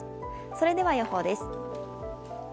それでは予報です。